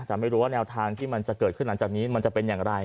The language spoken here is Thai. แต่ไม่รู้ว่าแนวทางที่มันจะเกิดขึ้นหลังจากนี้มันจะเป็นอย่างไร